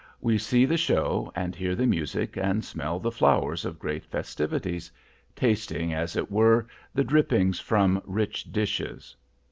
We see the show, and hear the music, and smell the flowers of great festivities, tasting as it were the drippings from rich dishes.